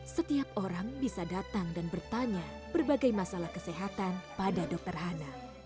setiap orang bisa datang dan bertanya berbagai masalah kesehatan pada dokter hana